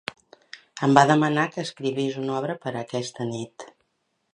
Em va demanar que escrivís una obra per a aquesta nit.